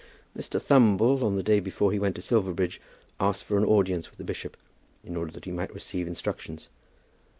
Mr. Thumble, on the day before he went to Silverbridge, asked for an audience with the bishop in order that he might receive instructions.